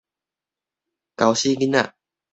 猴死囡仔